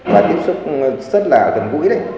và tiếp xúc rất là gần gũi